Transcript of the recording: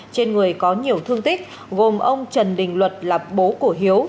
trên người có nhiều thương tích gồm ông trần đình luật là bố của hiếu